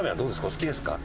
お好きですか？